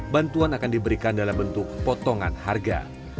bantuan akan diberikan dalam bentuk potongan harga